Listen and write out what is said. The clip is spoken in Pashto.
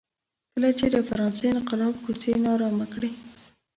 کله چې د فرانسې انقلاب کوڅې نا ارامه کړې.